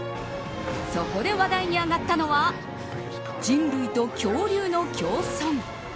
そこで話題に上がったのは人類と恐竜の共存。